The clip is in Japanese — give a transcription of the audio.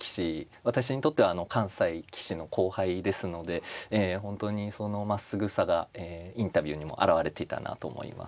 私にとっては関西棋士の後輩ですので本当にそのまっすぐさがインタビューにも表れていたなと思います。